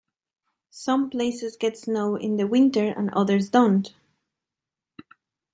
Some places get snow in the winter and others don't.